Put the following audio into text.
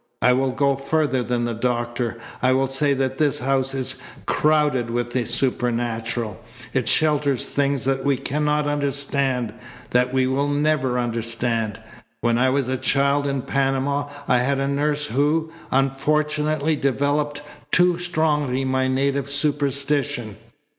I will go further than the doctor. I will say that this house is crowded with the supernatural. It shelters things that we cannot understand, that we will never understand. When I was a child in Panama I had a nurse who, unfortunately, developed too strongly my native superstition.